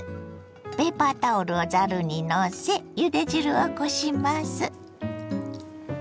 ペーパータオルをざるにのせゆで汁をこします。